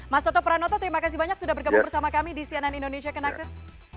mas toto pranoto terima kasih banyak sudah bergabung bersama kami di cnn indonesia connected